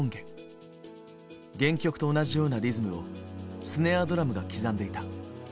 原曲と同じようなリズムをスネアドラムが刻んでいた。